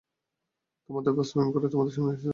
তোমার দাবি বাস্তবায়ন করেই তোমার সামনে এসে দাঁড়াবো।